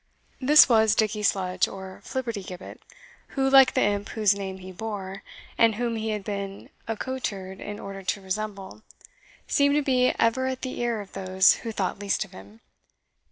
This was Dickie Sludge, or Flibbertigibbet, who, like the imp whose name he bore, and whom he had been accoutred in order to resemble, seemed to be ever at the ear of those who thought least of him.